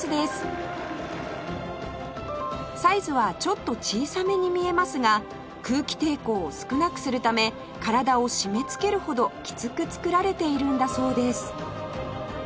サイズはちょっと小さめに見えますが空気抵抗を少なくするため体を締めつけるほどきつく作られているんだそうです